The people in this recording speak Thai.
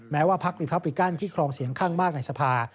ว่าพักรีพับริกันที่ครองเสียงข้างมากในสภา